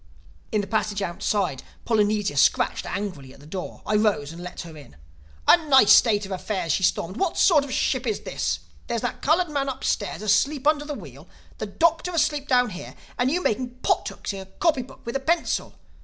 In the passage outside Polynesia scratched angrily at the door. I rose and let her in. "A nice state of affairs!" she stormed. "What sort of a ship is this? There's that colored man upstairs asleep under the wheel; the Doctor asleep down here; and you making pot hooks in a copybook with a pencil!